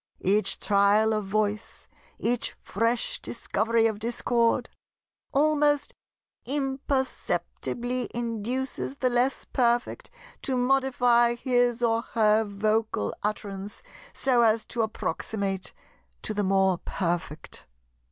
Each trial of voice, each fresh discovery of discord, almost imperceptibly induces the less perfect to modify his or her vocal utterance so as to approximate to the more perfect.